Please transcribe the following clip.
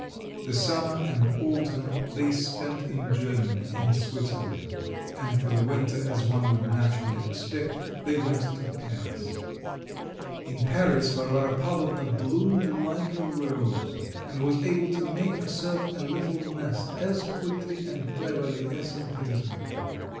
The summer and autumn they spent in Germany and Switzerland, and for the winter, as one would naturally expect, they went to Paris. In Paris, Varvara Pavlovna bloomed like a rose, and was able to make herself a little nest as quickly and cleverly as in Petersburg.